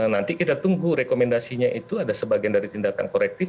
nanti kita tunggu rekomendasinya itu ada sebagian dari tindakan korektif